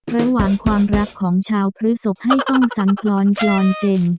ระหว่างความรักของชาวพฤศกให้ต้องสังกลอนกรอนเจน